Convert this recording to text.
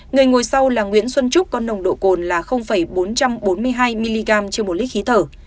người ngồi sau là nguyễn xuân trúc có nồng độ cồn là bốn trăm bốn mươi hai mg trên một lít khí thở